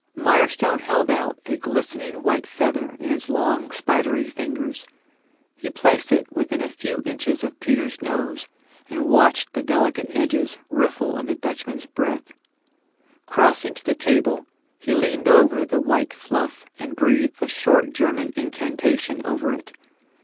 Mirestone held out a glistening white feather in his long spidery fingers. He placed it within a few inches of Peter's nose and watched the delicate edges riffle in the Dutchman's breath. Crossing to the table, he leaned over the white fluff and breathed the short German incantation over it.